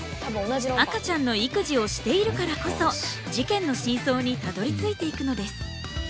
赤ちゃんの育児をしているからこそ事件の真相にたどりついていくのです。